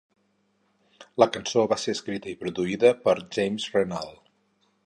La cançó va ser escrita i produïda per James Renald.